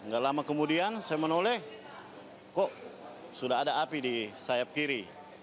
gak lama kemudian saya menoleh kok sudah ada api di sayap kiri